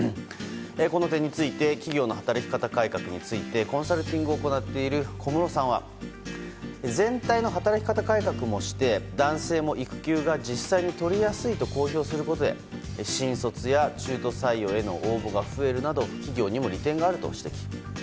この点について企業の働き方改革についてコンサルティングを行っている小室さんは全体の働き方改革もして男性も育休が実際に取りやすいと公表することで新卒や中途採用への応募が増えるなど企業にも利点があると指摘。